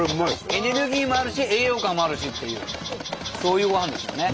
エネルギーもあるし栄養価もあるしっていうそういうごはんですよね。